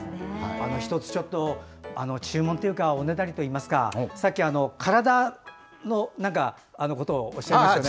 １つ注文というかおねだりといいますかさっき、体のことをおっしゃいましたよね。